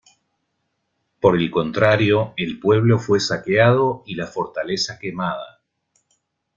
Por el contrario, el pueblo fue saqueado y la fortaleza quemada.